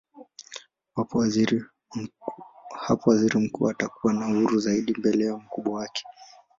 Hapo waziri mkuu atakuwa na uhuru zaidi mbele mkubwa wake.